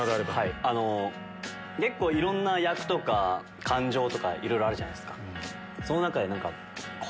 結構いろんな役とか感情とかいろいろあるじゃないですか。